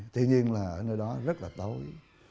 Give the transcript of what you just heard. tuy nhiên là ở nơi đó rất là tốt